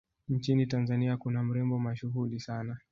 nchini tanzania kuna mrembo mashuhuli sana